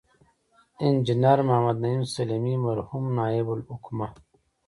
انجنیر محمد نعیم سلیمي، مرحوم نایب الحکومه